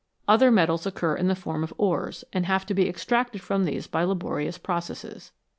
Other metals occur in the form of ores, and have to be extracted from these by laborious processes.